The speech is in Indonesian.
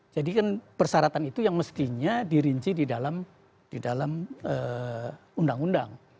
jadi kan persyaratan itu yang mestinya dirinci di dalam undang undang